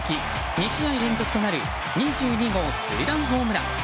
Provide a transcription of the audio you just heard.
２試合連続となる２２号ツーランホームラン。